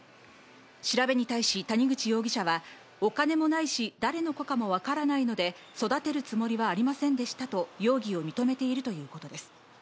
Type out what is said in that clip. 調べに対し、谷口容疑者は、お金もないし、誰の子かもわからないので、育てるつもりはありませんでしたと容疑を認めているということです。